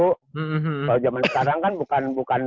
kalau jaman sekarang kan bukan soal